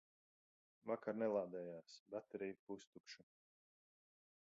Vakar nelādējās, baterija pustukša.